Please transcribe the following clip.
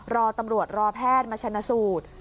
รอตำรวจรอแพทย์มาชนะสูตร